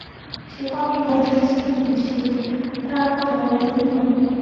其花蜜同时吸引其他种类的昆虫。